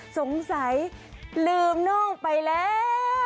สงสัยลืมน้องไปแล้ว